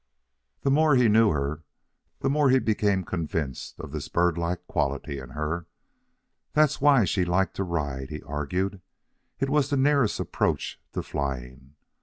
The more he knew her the more he became convinced of this birdlike quality in her. That was why she liked to ride, he argued. It was the nearest approach to flying.